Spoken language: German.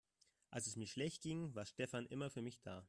Als es mir schlecht ging, war Stefan immer für mich da.